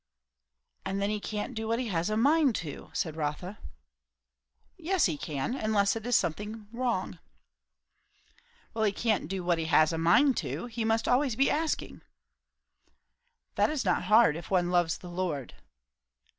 "And then he can't do what he has a mind to," said Rotha. "Yes, he can; unless it is something wrong." "Well, he can't do what he has a mind to; he must always be asking." "That is not hard, if one loves the Lord."